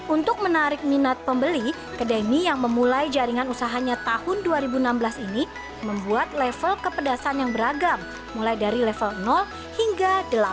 untuk menarik minat pembeli kedai mie yang memulai jaringan usahanya tahun dua ribu enam belas ini membuat level kepedasan yang beragam mulai dari level hingga delapan